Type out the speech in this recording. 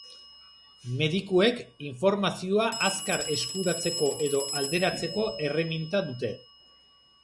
Medikuek informazioa azkar eskuratzeko edo alderatzeko erreminta dute.